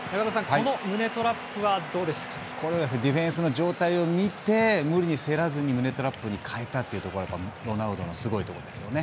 これはディフェンスの状態を見て無理せずに胸トラップに変えたところがロナウドのすごいところですよね。